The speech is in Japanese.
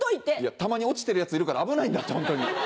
たまに落ちてるやついるから危ないんだってホントに。